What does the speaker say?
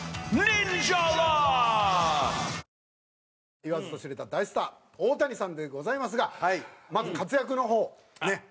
言わずと知れた大スター大谷さんでございますがまず活躍の方をね。